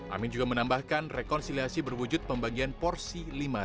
amin juga menambahkan rekonsiliasi berwujud pembagian porsi lima ribu lima ratus empat puluh lima